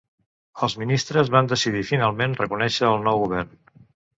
Els ministres van decidir finalment reconèixer al nou govern.